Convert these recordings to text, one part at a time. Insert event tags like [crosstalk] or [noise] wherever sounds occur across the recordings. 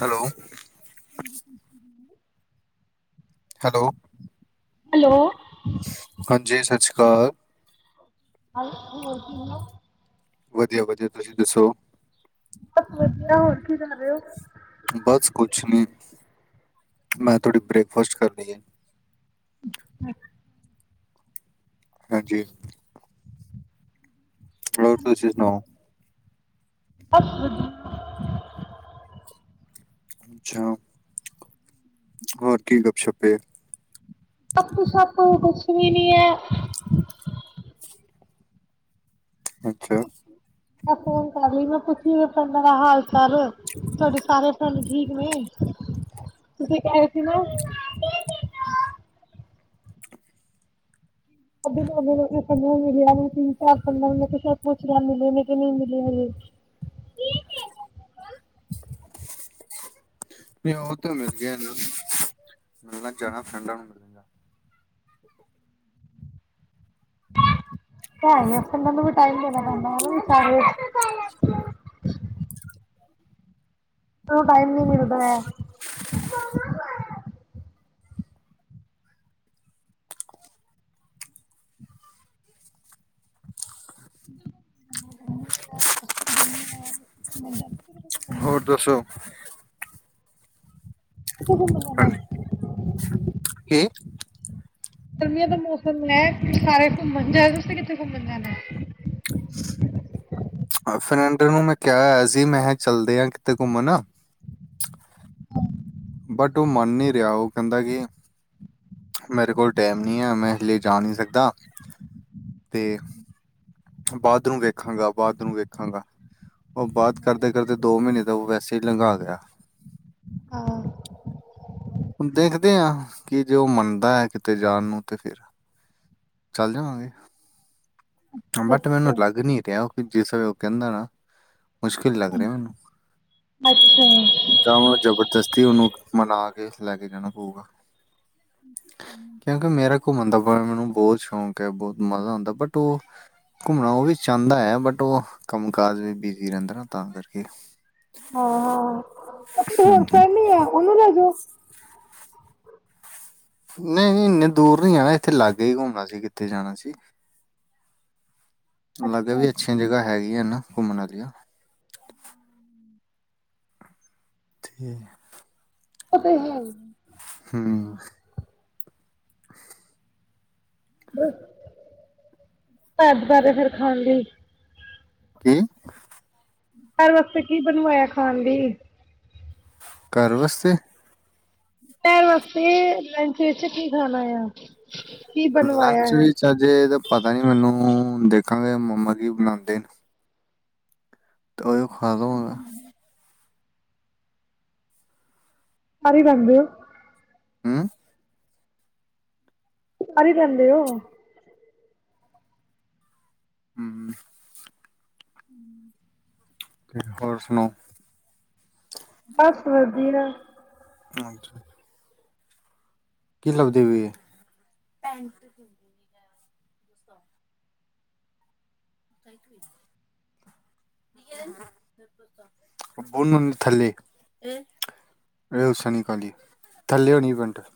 Hello hello hello ਹਾਂਜੀ ਸਤਿ ਸ਼੍ਰੀ ਅਕਾਲ ਹੋਰ ਕਿ ਵਧੀਆ- ਵਧੀਆ ਤੁਸੀਂ ਦੱਸੋ ਬਸ ਵਧੀਆ, ਹੋਰ ਕੀ ਕਰ ਰਹੇ ਹੋ ਬਸ ਕੁਛ ਨੀ, ਮੈਂ ਥੋੜੀ ਬ੍ਰੇਕਫਾਸਟ ਕਰ ਲਈਏ [unintelligible] ਹਾਂਜੀ। ਹੋਰ ਤੁਸੀ ਸੁਣਾਓ ਬਸ ਵਧੀਆ ਅੱਛਾ, ਹੋਰ ਕੀ ਗਪਸ਼ਪੇ। ਗਪੁਸਪ ਕੁਛ ਵੀ ਨੀ ਹੈ। ਅੱਛਾ। ਉਹ ਫੋਨ ਕਰ। ਹਲੀ ਮੈਂ ਪੁੱਛਨੀ ਆ ਫ੍ਰੈਂਡ ਦਾ ਹਾਲ ਚਾਲ ਤੁਆਡੇ ਸਾਰੇ ਫ੍ਰੈਂਡ ਠੀਕ ਨੇ। ਤੁਸੀ ਕੈ ਰੇ ਸੀ ਨਾ ਅੱਗੇ ਮੈ [unintelligible] ਮਿਲਿਆ ਨੀ ਤਿੰਨ ਚਾਰ ਪੰਦਰਾਂ ਮਿਨਟ ਚ ਪੁੱਛਿਆ ਮਿਲੇ ਨੇ ਕੀ ਨਈ ਮਿਲੇ ਹਜੇ ਮ ਉਹ ਤਾਂ ਮਿਲ ਗਿਆ ਨਾ ਮਿਲਣਾ ਜਾਣਾ ਫਰੈਂਡਾਂ ਨੂੰ ਮਿਲਲੇਗਾ ਕਨੂੰ ਵੀ ਟਾਈਮ ਦੇਣਾ ਪੈਂਦਾ ਟਾਈਮ ਨਹੀਂ ਮਿਲਦਾ ਹੈ। ਹੋਰ ਦੱਸੋ ਕਿੱਥੇ ਘੁੰਮਣ ਹਾਂਜੀ। ਜਾਣਾ? ਕੀ ਗਰਮੀਆਂ ਦਾ ਮੌਸਮ ਹੈ ਸਾਰੇ ਘੁੰਮਣ ਜਾ ਰਹੇ ਤੁਸੀਂ ਕਿੱਥੇ ਘੁੰਮਣ ਜਾਣਾ ਹੈ। ਫਨਿੰਡ ਨੂੰ ਮੈਂ ਕਿਹਾ ਸੀ ਮੈਂ ਚੱਲਦੇ ਆ ਕਿਤੇ ਘੁੰਮਣ ਆ ਹਮ- ਬਟ ਉਹ ਮਨ ਨੀ ਰਿਹਾ ਉਹ ਕਹਿੰਦਾ ਕਿ ਮੇਰੇ ਕੋਲ ਟਾਈਮ ਨੀ ਹੈ ਮੈਂ ਇਸੇ ਜਾ ਨੀ ਸਕਦਾ ਤੇ ਬਾਅਦ ਨੂੰ ਵੇਖਾਂਗਾ ਬਾਅਦ ਨੂੰ ਵੇਖਾਂਗਾ ਉਹ ਬਾਅਦ ਕਰਦੇ ਕਰਦੇ ਦੋ ਮਹੀਨੇ ਤੋਂ ਵੈਸੇ ਹੀ ਲੰਘਾ ਗਿਆ ਹਾਂ ਦੇਖਦੇ ਹਾਂ ਕਿ ਜੇ ਉਹ ਮੰਨਦਾ ਹੈ। ਕਿਤੇ ਜਾਣ ਨੂੰ ਤੇ ਫਿਰ ਚੱਲ ਜਾਵਾਂਗੇ। ਬਟ ਮੈਨੂੰ ਅੱਛਾ ਲੱਗ ਨੀ ਰਿਹਾ ਜਿਸ ਵੇ ਉਹ ਕਹਿੰਦਾ ਨਾ ਮੁਸ਼ਕਿਲ ਲੱਗ ਰਿਹਾ ਮੈਨੂੰ- ਅਛਾ- ਜਾਂ ਉਹ ਜਬਰਦਸਤੀ ਉਹਨੂੰ ਮਨਾ ਕੇ ਲੈ ਕੇ ਜਾਣਾ ਪਊਗਾ ਕਿਉਕਿ ਮੇਰਾ ਘੁੰਮਣ ਦਾ ਬਾਹਰ ਨੂੰ ਬਹੁਤ ਸ਼ੌਂਕ ਹੈ। ਬਹੁਤ ਮਜ਼ਾ ਆਉਦਾ ਬਟ ਉਹ ਘੁੰਮਣਾ ਉਹ ਵੀ ਚਾਹਦਾ ਹੈ। ਬਟ ਉਹ ਕੰਮ ਕਾਜ ਵੀ ਬਿਜੀ ਰਹਿੰਦਾ ਨਾ ਤਾਂ ਕਰਕੇ ਹਾਂ ਹਾਂ ਹੋਰ ਕੋਈ ਨਹੀ ਆ ਉਹਨੂੰ ਲੈ ਜੋਓ ਨਹੀ ਇਨੇ ਦੂਰ ਨੀ ਜਾਣਾ ਇਥੇ ਲਾਗੇ ਹੀ ਘੁੰਮਣਾ ਸੀ ਕਿਥੇ ਜਾਣਾ ਸੀ। ਲੱਗਿਆ ਅੱਛਾ ਵੀ ਅੱਛੀਆਂ ਜਗ੍ਹਾ ਹੈਗੀਆਂ ਨਾ ਘੁੰਮਣ ਦੀਆਂ ਹੂੰ ਅਤੇ ਹੂੰ ਹਮ [inaudible] [unintelligible] ਕਿ- ਘਰ ਵਾਸਤੇ ਕੀ ਬਣਵਾਇਆ ਖਾਣ ਦੀ- ਘਰ ਵਾਸਤੇ ਪੈਰ ਵਾਸਤੇ ਲੰਚ ਵਿੱਚ ਕੀ ਖਾਣਾ ਆ ਕੀ ਬਣਵਾਇਆ ਲੰਚ ਹੈ ਵਿੱਚ ਅਜੇ ਤਾਂ ਪਤਾ ਨੀ ਮੈਨੂੰ ਦੇਖਾਂਗੇ ਮੰਮਾ ਕੀ ਬਣਾਉਂਦੇ ਨੇ ਖਾ ਦਵਾਂਗਾ ਸ ਹੀ ਰਹਿੰਦੇ ਹੋ ਹਮ ਘਰ ਇਹ ਰਹਿੰਦੇ ਹੋ- ਹਮ ਹਮ [inaudible] ਹੋਰ ਸੁਣਾਓ ਬਸ ਵਧੀਆ- ਹਾਂਜੀ [unintelligible] ਕੀ ਲਭਦੀ ਪਈ ੲੈ ਪੈਂਟ ਲਾਈਟ ਗਈ। ਬੁਣ ਥੱਲੱ [unintelligible] [unintelligible]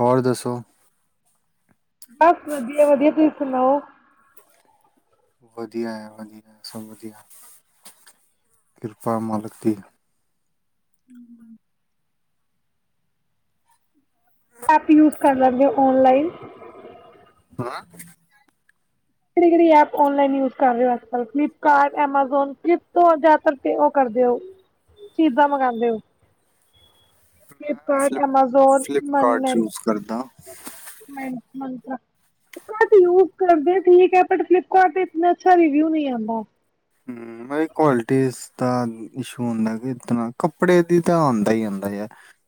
ਹੋਰ ਦੱਸੋ- ਬਸ ਵਧੀਆ- ਵਧੀਆ ਤੁਸੀ ਸੁਣਾਓ ਵਧੀਆ ਹੈ ਵਧੀਆ ਸਭ ਵਧੀਆ ਕਿਰਪਾ ਮਾਲਕ ਦੀ ਹਮ ਐਪ ਯੂਜ ਕਰ ਲੈਂਦੇ ਔਨਲਾਈਨ ਹਾਂ - ਕਿਹੜੀ ਕਿਹੜੀ ਐਪ ਔਨਲਾਈਨ ਯੂਜ ਕਰ ਰਹੇ ਹੋ, ਐਪਲ, ਫਲਿਪਕਾਰਟ, ਐਮਾਜੋਨ, ਫਲਿਪ ਤੋਂ ਜ਼ਿਆਦਾ ਉਹ ਕਰਦੇ ਹੋ ਚੀਜ਼ਾਂ ਮੰਗਵਾਉਂਦੇ ਹੋ। ਫਲਿਪਕਾਰਟ, ਫਲਿਪ ਐਮਾਜੋਨ ਫਲਿੱਪਕਾਰਟ ਮਨਮੇਨ ਯੂਜ ਕਰਦਾ ਮੰਤਰਾ ਕਟ ਯੂਜ ਕਰਦੇ ਠੀਕ ਹੈ ਬਟ ਫਲਿੱਪਕਾਰ ਤੇ ਇੰਨਾ ਅਛਾ ਰਿਵਿਊ ਨ ਨਹੀ ਆਉਦਾ ਨਈ ਕੁਆਲਟੀ ਇਸ਼ੂ ਹੁੰਦਾ ਕਿ ਇਤਨਾ ਕੱਪੜੇ ਦੀ ਤਾਂ ਆਉਦਾ ਹੀ ਆਉਦਾ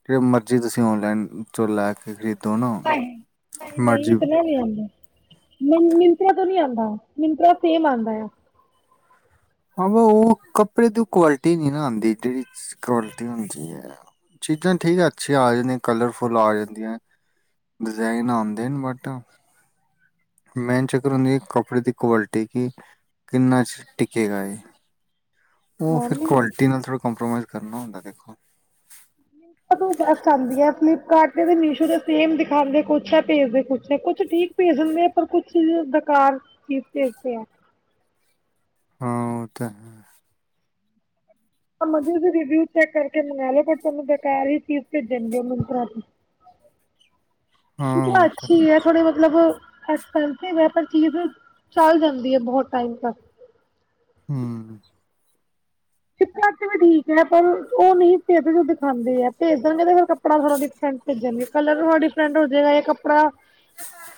ਜੀਵੇ ਮਰਜ਼ੀ ਤੁਸੀ ਔਨਲਾਈਨ ਚੋ ਲੈ ਕੇ ਖਰੀਦ ਨਹੀ, ਨਹੀ, ਨਹੀ ਇਤਨਾ ਨੀ ਆਉਦਾ ਮੀਂ ਮਿੰਤਰਾ ਤੋਂ ਨੀ ਆਉਦਾ ਮਿੰਤਰਾ ਸੇਮ ਆਉਦਾ ਆ ਹਾਂ ਵ ਉਹ ਕੱਪੜੇ ਤੋਂ ਕੁਆਲਿਟੀ ਨਹੀ ਨਾ ਆਉਦੀ ਜਿਹੜੀ ਕੁਆਲਿਟੀ ਹੁੰਦੀ ਹੈ। ਚੀਜ਼ਾਂ ਠੀਕ ਆ ਅੱਛੀਆਂ ਆ ਜਾਂਦੀਆਂ ਕਲਰਫੁੱਲ ਆ ਜਾਂਦੀਆਂ ਡਿਜ਼ਾਇਨ ਆਉਂਦੇ ਨੇ ਬਟ ਮੇਨ ਚੱਕਰ ਹੁੰਦੀ ਕੱਪੜੇ ਦੀ ਕੁਆਲਿਟੀ ਕਿ ਕਿੰਨਾ ਚਿਰ ਟਿੱਕੇਗਾ ਇਹ ਉਹ ਹਾਂ ਫਿਰ ਮਿੰਤਰਾ ਕੁਆਲਿਟੀ ਨਾਲ ਥੋੜ੍ਹਾ ਕੰਪ੍ਰੋਮਾਈਜ਼ ਕਰਨਾ ਹੁੰਦਾ ਦੇਖੋ ਤੂੰ ਬਸ ਆਉਂਦੀ ਆ ਫਲਿਪਕਾਰਟ ਤੇ ਮੀਸ਼ੋ ਦੇ ਸੇਮ ਦਿਖਾਂਦੇ ਕੁਛ ਹੈ ਭੇਜਦੇ ਕੁੱਛ ਹੈ ਕੁਛ ਠੀਕ ਭੇਜ ਦੇਂਦੇ ਆ ਪਰ ਕੁਛ ਬੇਕਾਰ ਚੀਜ਼ ਭੇਜਦੇ ਆ ਹਾਂ ਉਹ ਤਾਂ ਹੈ ਰਿਵਿਊ ਚੈੱਕ ਕਰਕੇ ਮੰਗਵਾ ਲਓ ਬਟ ਤੁਹਾਨੂੰ ਬੇਕਾਰ ਹੀ ਚੀਜ਼ ਭੇਜਣਗੇ ਮਨਤਰਾ ਇਹ ਤਾਂ ਅੱਛੀ ਹੈ ਥੋੜੀ ਮਤਲਬ ਅਜ ਕਲ ਤੇ ਵੇਪਰ ਚੀਜ਼ ਚੱਲ ਜਾਂਦੀ ਹੈ ਬਹੁਤ ਟਾਈਮ ਤਕ ਹਮ ਫਲਿਪ ਕਾੜ ਚ ਵੀ ਠੀਕ ਹੈ ਪਰ ਉਹ ਨਹੀਂ ਭੇਜ ਦੇ ਜੋ ਦਿਖਾਂਦੇ ਹੈ ਭੇਜ ਦੇਣਗੇ ਤੇ ਫਿਰ ਕੱਪੜਾ ਸਾਰਾ ਡੀਫੈਂਸ ਭੇਜਗੇ ਕਲਰ ਹ ਡਿਫਰੈਂਟ ਹੋ ਜਾਏਗਾ ਇਹ ਕੱਪੜਾ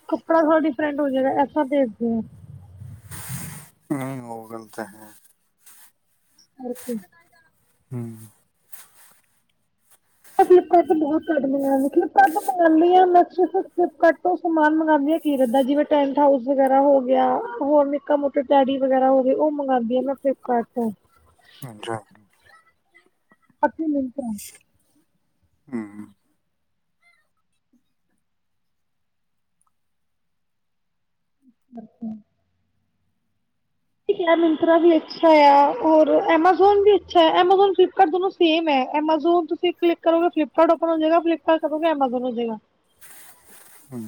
ਕੱਪੜਾ ਥੋੜ੍ਹਾ ਡਿਫਰੈਂਟ ਹੋ ਜਾਏਗਾ ਐਸਤਰਾ ਭੇਜਦੇ ਹਾਂ ਨਹੀਂ ਉਹ ਗੱਲਤ ਹੈ ਓਕੇ ਹੂੰ ਫਲਿੱਪਕਾਰਟ ਤੋਂ ਬਹੁਤ ਘੱਟ ਮੰਗਾਨੀ, ਫਲਿੱਪਕਾਰਟ ਤੋਂ ਮੰਗਾਨੀ ਆ, ਮੈਂ ਸਿਰਫ਼ ਫਲਿੱਪਕਾਰਟ ਤੋਂ ਸਮਾਨ ਮੰਗਾਨੀ ਹਾਂ। ਕੀਰਤ ਦਾ ਜਿਵੇ ਟੈਂਟ ਹਾਊਸ ਵਗੈਰਾ ਹੋਗਿਆ, ਹੋਰ ਨਿੱਕਾ-ਮੋਟਾ ਟੈਡੀ ਵਗੈਰਾ ਹੋ ਗਏ, ਉਹ ਮੰਗਾਦੀਆਂ ਮੈ ਫਲਿੱਪਕਾਰਟ ਤੋ। ਅਛਾ। ਪੱਕੀ ਨੀੰਦ'ਚ ਨੇ। ਹੂੰ ਓਕੇ। ਠੀਕ ਐ, ਮਿੰਤਰਾ ਵੀ ਅੱਛਾ ਯਾ, ਹੋਰ ਐਮਾਜ਼ੋਨ ਵੀ ਅੱਛਾ ਹੈ, ਐਮਾਜ਼ੋਨ, ਫਲਿਪਕਾਰਟ ਦੋਨੋ ਸੇਮ ਐ, ਐਮਾਜ਼ੋਨ ਤੁਸੀਂ ਕਲਿੱਕ ਕਰੋਗੇ, ਫਲਿਪਕਾਰਟ ਓਪਨ ਹੋ ਜੇਗਾ, ਫਲਿੱਪਕਾਰਟ ਕਰੋਗੇ ਐਮਾਜ਼ੋਨ ਹੋਜੇਗਾ। ਹੂੰ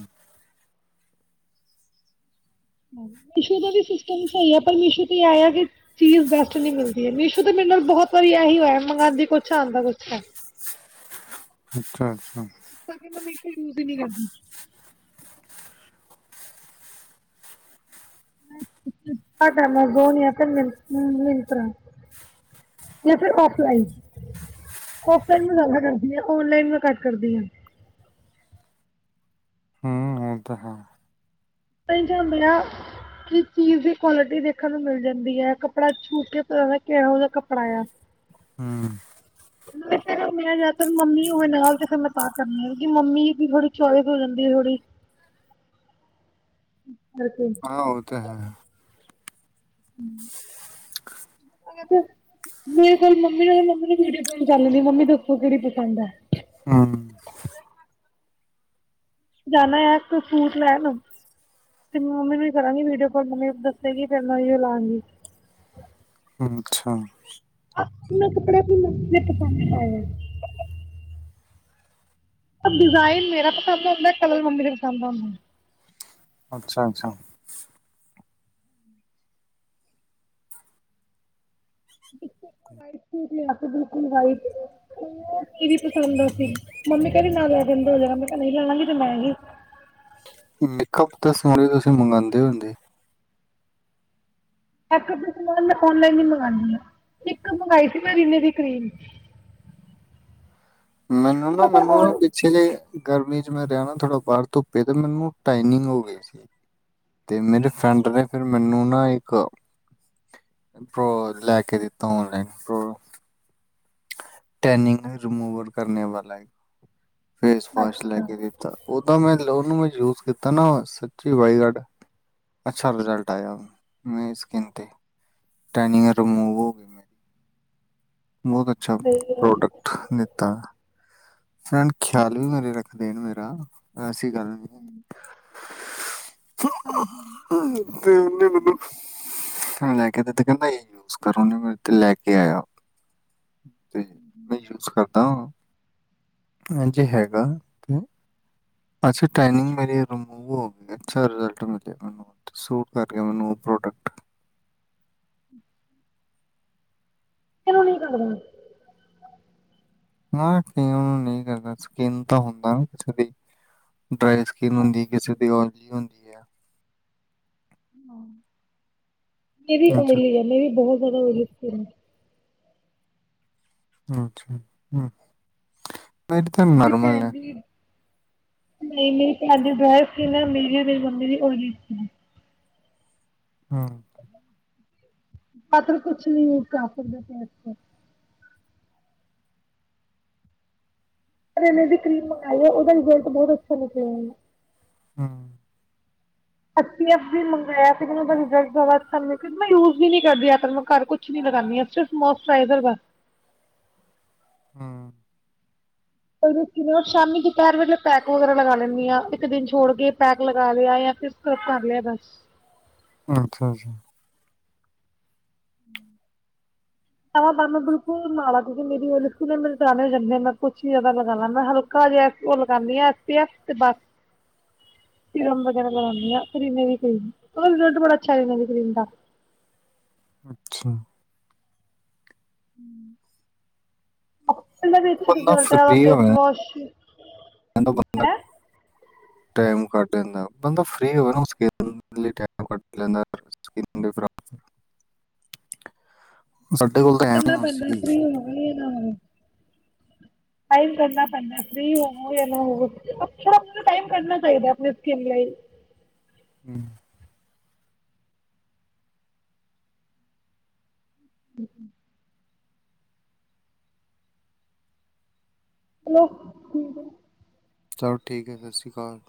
ਮੀਸ਼ੂ ਦਾ ਵੀ ਸਿਸਟਮ ਸਹੀ ਹੈ, ਪਰ ਮੀਸ਼ੂ ਤੇ ਆਇਆ ਕਿ ਚੀਜ਼ ਬੈਸਟ ਨੀ ਮਿਲਦੀ ਐ, ਮੀਸ਼ੋ ਤੇ ਮੇਰੇ ਨਾਲ ਬਹੁਤ ਵਾਰੀ ਐਹੀ ਹੋਇਆ ਮੰਗਾਂਦੀ ਕੁਛ ਆਓ, ਆਂਦਾ ਕੁਛ ਐ। ਅੱਛਾ-ਅੱਛਾ। ਤਾਂ ਫਿਰ, ਮੀਸ਼ੁ ਯੂਜ ਹੀ ਨਹੀਂ ਕਰਦੀ। ਐਮਾਜ਼ੋਨ ਯਾ ਫਿਰ ਮਿਨ ਮੀੰਤਰਾ ਯਾ ਫਿਰ ਔਫਲਾਈਨ। ਔਫਲਾਈਨ 'ਮੈਂ' ਜਿਆਦਾ ਕਰਦੀਆਂ 'ਔਨਲਾਈਨ'ਮੈਂ ਘੱਟ ਕਰਦੀ ਹਾਂ। ਹੂੰ, ਓਹ ਤਾਂ ਹੈ। ਟੇਨਸ਼ਨ ਹੁੰਦੇ ਆ। ਚੀਜ਼-ਚੀਜ਼ ਦੀ ਕੁਆਲਿਟੀ ਦੇਖਣ ਨੂੰ ਮਿਲ ਜਾਂਦੀ ਐ, ਕੱਪੜਾ ਛੂਹ ਕੇ ਪਤਾ ਦਾ ਕਿਹੜਾ ਓਹਦਾ ਕੱਪੜਾ ਯਾ। ਹੂੰ [inaudible] ਮੈਂ, ਜਿਆਦਾਤਰ ਮੰਮੀ ਹੋਏ ਨਾਲ ਤੇ ਫਿਰ ਮੈਂ ਤਾਂ ਕਰਨੀ ਆਂ, ਕਿਉਂਕੀ 'ਮੰਮੀ' ਦੀ ਥੋੜ੍ਹੀ ਚੌਇਸ ਹੋ ਜਾਂਦੀ ਆ, ਥੋੜੀ। ਤੈ ਤੋਂ ਹਾਂ, ਓ ਤਾਂ ਹੈ। ਯਾਂ ਫਿਰ, ਮੇਰੇ ਕੋਲ, ਮੰਮੀ ਨਾਲ ਮੰਮੀ ਨੇ ਵੀੇਡੀਓ ਕੌਲ ਕਰ ਲੈਨੀ ਆਂ, ਮੰਮੀ ਦੱਸੋ ਕਿਹੜੀ ਪਸੰਦ ਹੈ। ਹਾਂ ਜਾਣਾਯਾ ਆਜ ਤਾਂ ਸੂਟ ਲੈਣ। ਤੇ ਮੰਮੀ ਨੂੰ ਈ ਕਰਾਂਗੀ ਵੀਡੀਓ ਕੌਲ, ਮੰਮੀ ਦੱਸੇਗੀ ਫਿਰ ਮੈਂ ਓਈਓ ਲਾਂਗੀ। ਅੱਛਾ। ਆਪਣੇ ਕੱਪੜੇ ਵੀ, ਆਪ ਪਸੰਦ ਨਹੀਂ ਆਇਆ। ਪਰ, ਡਿਜ਼ਾਇਨ ਮੇਰਾ ਪਸੰਦ ਦਾ ਆਂਦਾ, ਕਲਰ ਮੰਮੀ ਦੇ ਪਸੰਦ ਦਾ ਆਂਦਾ। ਅੱਛਾ-ਅੱਛਾ। ਹ [inaudible] ਕੀਤੀ ਇਸ ਬਿਲਕੁਲ ਵ੍ਹਾਈਟ ਤੇ। ਉਹ ਕੀਦੀ ਪਸੰਦ ਦਾ ਸੀ। ਮੰਮੀ ਕਹਿੰਦੀ ਨਾ ਲੈ ਫਿਰ, ਦੋ ਜਗ੍ਹਾ ਤੋਂ, ਮੈਂ, ਕਿਹਾ ਨਹੀਂ ਲਿਆਵਾਂਗੀ ਤੇ ''ਮੈਂ ਹੀ। ਮੇਕਅਪ ਤਾਂ ਸੋਹਣੇ ਤੁਸੀਂ ਮੰਗਾਂਦੇ ਹੁੰਦੇ। ਇੱਕ-ਅੱਧਾ ਸਮਾਨ ਮੈਂ ਔਨਲਾਈਨ ਹੀ ਮੰਗਾਉਨੀ ਆਂ, ਇੱਕ ਮੰਗਾਈ ਸੀ, ਮੈਂ ਰੀਨੇ ਦੀ ਕ੍ਰੀਮ। ਮੈਨੂੰ ਨਾ, ਪਤਾ ਮੈਨੂੰ ਨਾ ਦੇ ਉਹ ਪਿੱਛੇ ਜੇ ਗਰਮੀ'ਚ ਮੈਂ ਰਿਹਾ ਨਾ ਥੋੜਾ ਬਾਹਰ ਧੁੱਪੇ, ਤੇ ਮੈਨੂੰ ਟੈਨੀੰਗ ਹੋ ਗਈ ਸੀ। ਤੇ ਮੇਰੇ ਫਰੈਂਡ ਨੇ, ਫਿਰ ਮੈਨੂੰ ਨਾ ਇੱਕ ਪ੍ਰੋ, ਲੈਕੇ ਦਿੱਤਾ ਔਨਲਾਈਨ ਪ੍ਰੋ ਟੈਨੀੰਗ ਰਿਮੂਵਰ ਕਰਨੇ ਵਾਲਾ ਹੈਗਾ, ਫੇਸ ਵਾਸ਼ ਅੱਛਾ ਲੈਕੇ ਦਿ ਤਾ, ਉਹ‌ ਤਾਂ, ਮੈਂ ਉਹਨੂੰ ਮੈਂ ਯੂਜ ਕੀਤਾ ਨਾ, ਸੱਚੀ ਬਾਈਗਾਡ ਅੱਛਾ ਰਿਜ਼ਲਟ ਆਇਆ। ਮੇਰੀ ਸਕਿਨ ਤੇ। ਟੈਨੀਂਗ ਰਿਮੂਵ ਹੋਗੀ। ਬਹੁਤ ਅੱਛਾ, ਤੇ ਪ੍ਰੋਡਕਟ ਦਿੱਤਾ। ਫਰੈਂਡ ਖਿਆਲ ਵੀ ਮੇਰੇ ਰੱਖਦੇ ਨੇ ਮੇਰਾ, ਐਸੀ ਗੱਲ ਨੀ [inaudible] ਨੇ ਮੈਂਨੂੰ ਲੈਕੇ ਦਿੱਤਾ, ਕਹਿੰਦਾ ਇਹ ਯੂਜ ਕਰੋ, ਓਹਨੇ ਮੇਰ ਤੇ ਲੈਕੇ ਆਇਆ। ਹੁਂ-ਹੁਂ। ਕੁਛ ਕਰਦਾਂ ਹਾਂਜੀੇ, ਹੈਗਾ। ਤੇ ਅੱਛਾ, ਟੈਨਿੰਗ ਮੇਰੀ ਰਿਮੂਵ ਹੋ ਗਈ। ਅੱਛਾ ਰਿਜ਼ਲਟ ਮਿਲਿਆ ਮੈਨੂੰ। ਸੂਟ ਕਰ ਗਯਾ ਮੈਨੂੰ ਉਹ ਪ੍ਰੋਡਕਟ। ਕਿਨੂੰ ਨਹੀਂ ਕਰਦਾ? ਹਾਂ, ਕਇਯਾਂ ਨੂੰ ਨਹੀਂ ਕਰਦਾ। ਸਕੀਨ ਤਾਂ ਹੁੰਦਾ ਤੁਹਾਡੀ ਡਰਾਈ ਸਕਿੱਨ ਹੁੰਦੀ, ਕਿਸੇ ਦੀ ੳਇਲੀ ਹੁੰਦ ਏਹ ਵੀ ਅੱਛਾ, ਉਇਲੀ ਹੈ। ਮੇਰੀ ਬਹੁਤ ਜ਼ਿਆਦਾ ਉਇਲੀ ਸਕਿੱਨ ਹੈ। ਅੱਛਾ, ਹੁਂ। ਦੀ ਭੈਣ ਦੀ ਞੀ ਨਹੀਂ, ਮੇਰੀ ਭੌਂਣ ਦੀ ਢਰਾਈ ਸਕਿਨ ਅ, ਮੇਰੀ ਅ ਮੇਰੀ ਮੰਮੀ ਦੀ ੳਈਲੀ ਸਕਿੱਨ ਹਾਂ। ਆਖਿਰ ਕੁੱਛ ਨਈਂ ਕਰ ਸਕਦੇ ਫੇਸ ਤੇ। ਰੇਨੇ ਦੀ ਕਰ੍ਰੀਮ ਮੰਗਵਾਈ ਏ, ਉਹਦਾ ਰਿਜ਼ਲਟ ਬਹੁਤ ਅੱਛਾ ਨਿਕਲਿਆ ਏ। ਹੁਂ। ਅੱਸੀ ਏਫ ਬੀ ਮੰਗਵਾਇਆ ਸੀ, ਮੈਨੂੰ ਓਦਾ ਰਿਜ਼ਲਟ ਜਾਦਾ ਅਛਾ ਨਈ। ਮੈਂ ਯੂਜ ਵੀ ਨਹੀਂ ਕਰਦੀ ਇਹ ਤਾਂ ਮੈਂ ਘਰ ਕੁਛ ਕੁਛ ਨੀ ਲਗਾਉਂਦੀ ਆਂ। ਸਿਰਫ ਮੋਸਚਰਾਈਰ ਬਸ। ਹੁਂ। ਪਰ ਕਿਵੇਂ ਆਂ, ਸ਼ਾਮੀ-ਦੁਪਹਿਰ ਵੇਲੇ ਪੈਕ ਵਗੈਰਾ ਲਗਾ ਲੈਂਦੀ ਆਂ। ਇੱਕ ਦਿਨ ਛੋੜ ਕੇ ਪੈਕ ਲਗਾ ਲਿਆਯਾ ਜਾ ਫਿਰ। ਸਬ ਕਰ ਲਿਆ ਬਸ। ਅੱਛਾ-ਅੱਛਾ। [inaudible] ਹਾਂ ਬਾਂ ਮੈਂ ਬਿਲਕੁਲ ਨਾਲ ਆਂ, ਤੁੱਸੀ ਮੇਰੀ ਓ ਲਿਪਸਟਿਕ, ਮੇਰੇ ਦਾਣੇ ਹੋ ਜਾਂਦੇ ਹ, ਮੈਂ ਕੁਛ ਹੀ ਜ਼ਿਆਦਾ ਲਗਾ ਲਾ ਹਲ ਖਾਲੀ ਏਸ ਓ ਲਗਾਨੀ ਆਂ ਏਸ ਪੀ ਏਫ, ਤੇ ਬਸ। ਸੀਰਮ ਞਗੈਰਾ ਲਗਾਉਨੀ ਆਂ, ਕਰੀਮ ਮੈਂ ਕੋਈ ਨਈਂ। ਓਦਾ ਰਿਜ਼ਲਟ ਬੜਾ ਅਛਾ ਹੈਗਾ ਕਰੀਮ ਦਾ। ਅੱਛਾ। ਓਪਨ ਦਾ ਵੀ ਅੱਛਾ ਬੰਦਾ ਰਿਜ਼ਲਟ [unintelligible] ਹੈ ਉਹਦਾ ਫੇਸ ਹੋਯਾਂ, ਵਾਸ਼ ਇਦੋਂ ਬਾਦ। ਹੈ ਟਾਈਮ ਕੱਢ ਦਿੰਦਾ। ਬੰਦਾ ਫਰੀ ਹੋਵੇ ਨਾ ਓਸ ਗੇਲ [unintelligible] ਸਾਡੇ ਕੋਲ ਤਾਂ ਐਵੇਂ ਕਰਨਾ ਹੋ ਪੈਂਦਾ, ਸੀ ਫਰੀ ਹੋਵੇ ਨਾ ਹੋਵੇ। ਟਾਈਮ ਕੱਢਣਾ ਪੈਂਦਾ, ਫ੍ਰੀ ਹੋਵੋ ਜਾਂ ਨਾ ਹੋਞੋ। ਅੱਛਾ ਆਪ ਨੂੰ ਟਾਈਮ ਕੱਢਨਾ ਚਾਹੀਦਾ ਆਪਣੀ ਸਕਿੱਨ ਲਈ। ਹੁਂ। ਹੁਂ-ਹੁਂ। ਚਲੋ, ਠੀਕ ਹੈ। ਚਲ ਠੀਕ ਏ, ਸਤਿ ਸ਼੍ਰੀ ਅਕਾਲ।